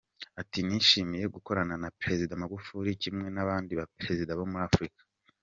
Ati “Nishimiye gukorana na Perezida Magufuli kimwe n’abandi ba perezida bo muri Afurika.